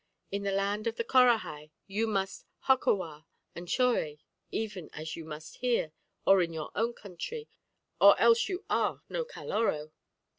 In the land of the Corahai you must hokkawar and chore even as you must here, or in your own country, or else you are no Caloró.